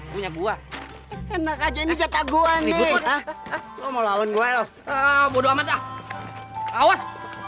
punya gua enak aja ini catak gua nih mau lawan gua bodo amat awas